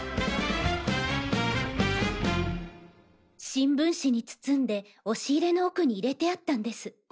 新聞紙に包んで押し入れの奥に入れてあったんです。